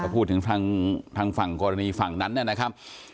พูดถึงทางฝั่งกรณีฝั่งนั้นนะครับ